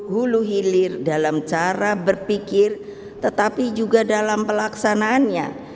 hulu hilir dalam cara berpikir tetapi juga dalam pelaksanaannya